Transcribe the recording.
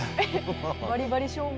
バリバリ照明。